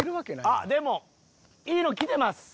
あっでもいいのきてます。